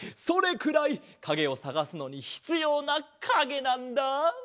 それくらいかげをさがすのにひつようなかげなんだ！